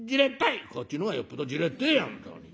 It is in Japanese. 「こっちの方がよっぽどじれってえや本当に。